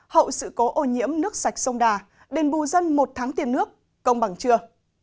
hậu sự cố ô nhiễm nước sạch sông đà đền bù dân một tháng tiền nước công bằng chưa